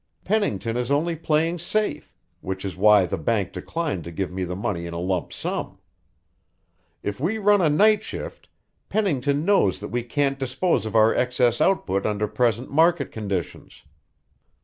Pennington is only playing safe which is why the bank declined to give me the money in a lump sum. If we run a night shift, Pennington knows that we can't dispose of our excess output under present market conditions.